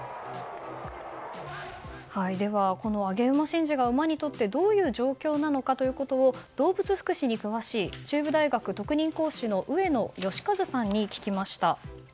では、この上げ馬神事が馬にとってどういう状況なのかということを動物福祉に詳しい中部大学特任講師の上野吉一さんに聞きました。